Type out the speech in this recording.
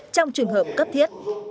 trong trường hợp cấp thiết